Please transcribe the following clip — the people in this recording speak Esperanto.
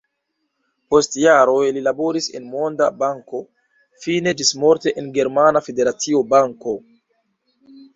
Post jaroj li laboris en Monda Banko, fine ĝismorte en Germana Federacia Banko.